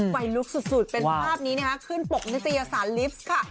ไฟลุกสุดเป็นภาพนี้นะคะขึ้นปกนิตยสารลิฟต์ค่ะ